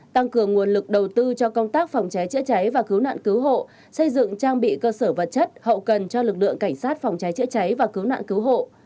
tăng cường nguồn lực đầu tư cho công tác phòng cháy chữa cháy và cứu nạn cứu hộ xây dựng trang bị cơ sở vật chất hậu cần cho lực lượng cảnh sát phòng cháy chữa cháy và cứu nạn cứu hộ